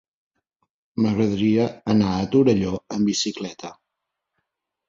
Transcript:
M'agradaria anar a Torelló amb bicicleta.